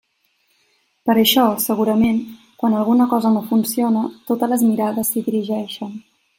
Per això, segurament, quan alguna cosa no funciona, totes les mirades s'hi dirigeixen.